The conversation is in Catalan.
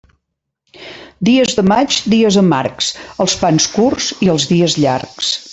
Dies de maig, dies amargs: els pans curts i els dies llargs.